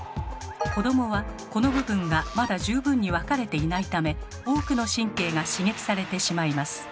子どもはこの部分がまだ十分に分かれていないため多くの神経が刺激されてしまいます。